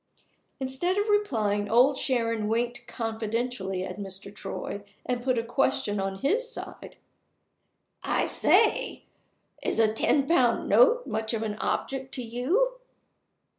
Instead of replying, Old Sharon winked confidentially at Mr. Troy, and put a question on his side. "I say! is a ten pound note much of an object to you?"